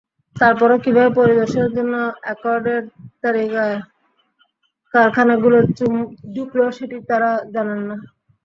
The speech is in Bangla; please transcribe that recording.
তারপরও কীভাবে পরিদর্শনের জন্য অ্যাকর্ডের তালিকায় কারখানাগুলো ঢুকল, সেটি তাঁরা জানেন না।